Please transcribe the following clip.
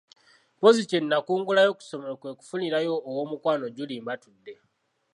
Mpozzi kye nakungulayo ku ssomero kwe kwefunirayo owoomukwano Julie Mbatudde.